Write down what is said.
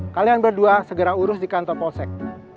kalian berdua segera urus di kantor polsek